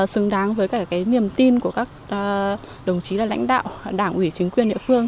xứng đáng với cả cái niềm tin của các đồng chí là lãnh đạo đảng ủy chính quyền địa phương